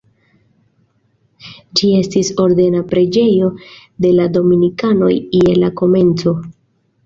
Ĝi estis ordena preĝejo de la dominikanoj je la komenco.